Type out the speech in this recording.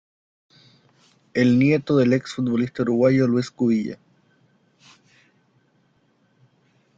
Es nieto del ex futbolista uruguayo Luis Cubilla.